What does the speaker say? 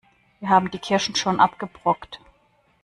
Wir haben die Kirschen schon abgebrockt.